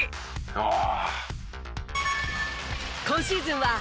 「ああ」